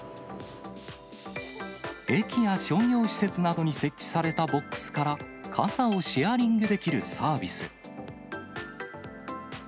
駅や商業施設などに設置されたボックスから傘をシェアリングできるサービス。